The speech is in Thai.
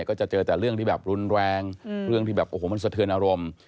ก็จะเจอแต่เรื่องที่แบบรุนแรงเรื่องที่แบบโอ้โหมันสะเทือนอารมณ์